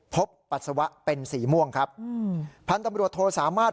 ปัสสาวะเป็นสีม่วงครับอืมพันธุ์ตำรวจโทสามารถ